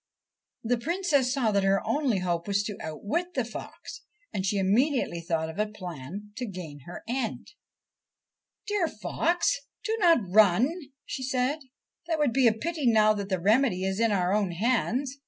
The Princess saw that her only hope was to outwit the fox, and she immediately thought of a plan to gain her end. ' Dear fox, do not run,' she said ;' that would be a pity now that the remedy is in our own hands.